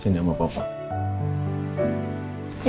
jen gak usah apa apa